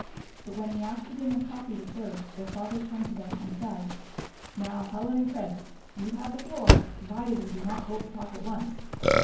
But when the after dinner coffee was served, their father turned to them and said: " Now, Helen and Chris, you have the floor, provided you do not both talk at once.